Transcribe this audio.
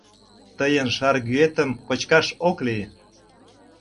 Тыйын шаргӱэтым кочкаш ок лий.